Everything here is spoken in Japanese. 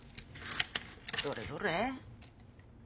どれどれ？